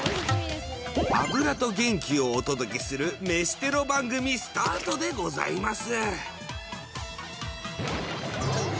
脂と元気をお届けする飯テロ番組スタートでございます。